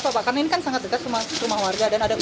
karena ini kan sangat dekat rumah warga dan ada